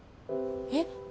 えっ？